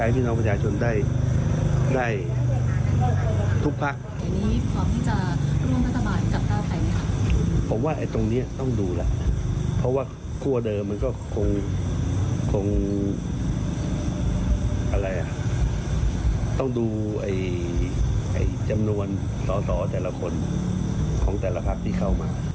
ผมว่าตรงนี้ต้องดูแล้วเพราะว่าครัวเดิมมันก็คงต้องดูจำนวนต่อแต่ละคนของแต่ละพักที่เข้ามา